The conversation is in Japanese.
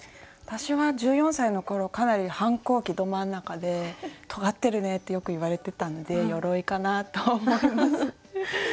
私は１４歳の頃かなり反抗期ど真ん中でとがってるねってよく言われてたので「鎧」かなと思います。